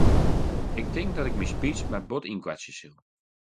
Ik tink dat ik myn speech mar bot ynkoartsje sil.